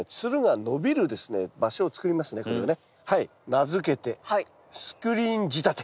名付けてスクリーン仕立て。